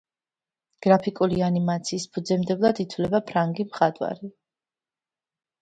გრაფიკული ანიმაციის ფუძემდებლად ითვლება ფრანგი მხატვარი